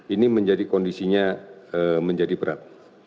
ini menjadi kondisinya menjadi berat